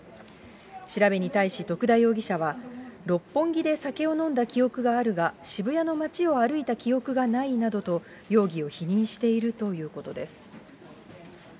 調べに対し徳田容疑者は、六本木で酒を飲んだ記憶があるが、渋谷の街を歩いた記憶がないなどと、容疑を否認しているということです。